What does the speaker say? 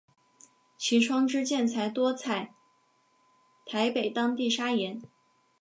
其窗之建材多采台北当地砂岩。